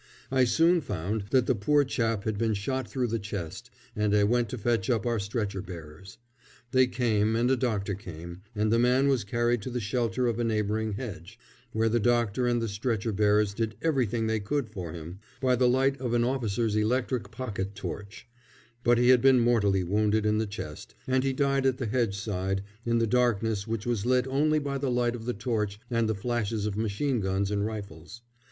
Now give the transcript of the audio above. I soon found that the poor chap had been shot through the chest, and I went to fetch up our stretcher bearers. They came, and a doctor came, and the man was carried to the shelter of a neighbouring hedge, where the doctor and the stretcher bearers did everything they could for him, by the light of an officer's electric pocket torch; but he had been mortally wounded in the chest, and he died at the hedge side, in the darkness which was lit only by the light of the torch and the flashes of machine guns and rifles.